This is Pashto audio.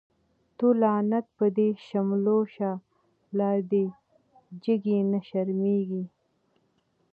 تو لعنت په دی شملو شه، لا دی جګی نه شرميږی